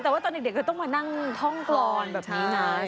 แต่ว่าตอนเด็กก็ต้องมานั่งท่องกรอนแบบนี้นะ